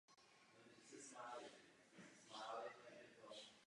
Kvantové vysvětlení poskytl Albert Einstein.